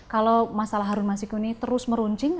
kalau masalah harun masyikuni terus meruncing